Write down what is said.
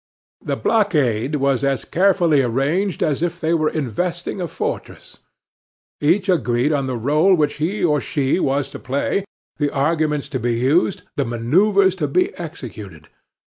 The blockade was as carefully arranged as if they were investing a fortress. Each agreed on the role which he or she was to play, the arguments to be used, the maneuvers to be executed.